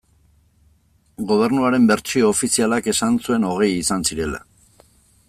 Gobernuaren bertsio ofizialak esan zuen hogei izan zirela.